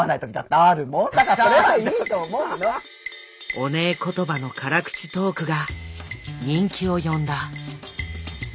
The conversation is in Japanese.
オネエ言葉の辛口トークが人気を呼んだ。